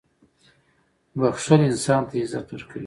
• بښل انسان ته عزت ورکوي.